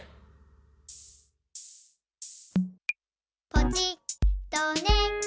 「ポチッとね」